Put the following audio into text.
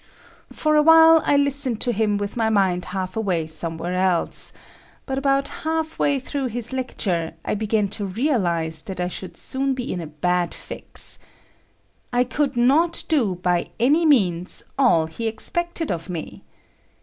For a while I listened to him with my mind half away somewhere else, but about half way through his lecture, I began to realize that I should soon be in a bad fix. I could not do, by any means, all he expected of me.